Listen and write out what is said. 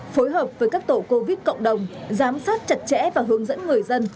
phối hợp với các tổ covid cộng đồng giám sát chặt chẽ và hướng dẫn người dân